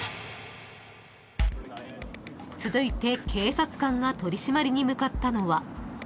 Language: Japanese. ［続いて警察官が取り締まりに向かったのは］